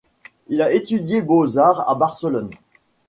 Il a étudié Beaux-arts à Barcelone.